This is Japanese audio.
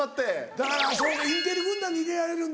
だからそうかインテリ軍団に入れられるんだ。